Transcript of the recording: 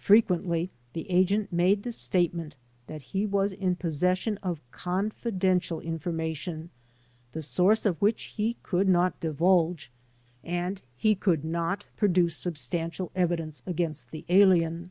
Frequently the agent made the statement that he was in possession of confidential information the 46 THE DEPORTATION CASES source of which he could not divulge and he could not produce substantial evidence against the alien.